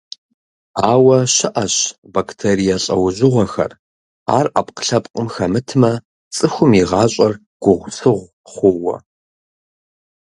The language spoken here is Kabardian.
Ауэ щыӏэщ бактерие лӏэужьыгъуэхэр, ар ӏэпкълъэпкъым хэмытмэ цӏыхум и гъащӏэр гугъусыгъу хъууэ.